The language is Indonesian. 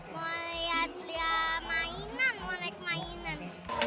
mau lihat lihat mainan mau naik mainan